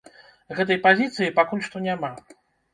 Гэтай пазіцыі пакуль што няма.